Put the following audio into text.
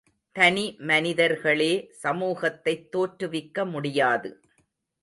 தனி மனிதர்களே சமூகத்தைத் தோற்றுவிக்க முடியாது.